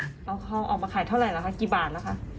เอาข้าวออกมาขายเท่าไหร่คะกี่บาทแล้วคะ